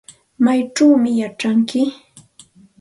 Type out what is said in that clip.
¿Maychawmi yachanki?